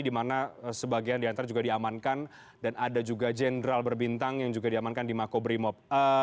karena sebagian diantar juga diamankan dan ada juga jenderal berbintang yang juga diamankan di makobrimob